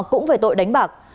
cũng về tội đánh bạc